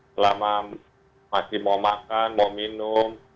selama masih mau makan mau minum